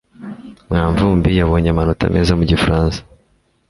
mwanvumbi yabonye amanota meza mu gifaransa